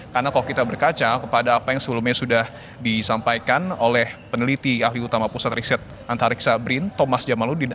karena kalau kita berkaca kepada apa yang sebelumnya sudah disampaikan oleh peneliti ahli utama pusat riset antariksa brin thomas jamaludin